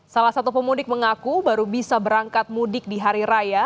salah satu pemudik mengaku baru bisa berangkat mudik di hari raya